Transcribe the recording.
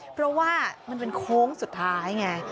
เพราะว่ามันเป็นโค้งสุดท้ายไง